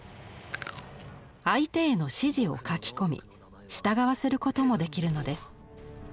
相手への指示を書き込み従わせることもできるのです。